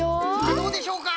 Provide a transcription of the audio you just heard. どうでしょうか？